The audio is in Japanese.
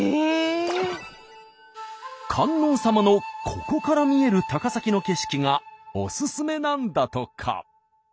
観音様のここから見える高崎の景色がおすすめなんだとか。